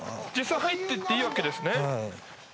実際、入っていっていいわけですね。